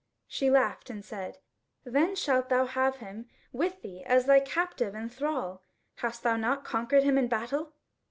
She laughed and said: "Then shalt thou have him with thee as thy captive and thrall. Hast thou not conquered him in battle?"